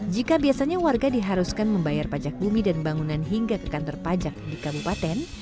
jika biasanya warga diharuskan membayar pajak bumi dan bangunan hingga ke kantor pajak di kabupaten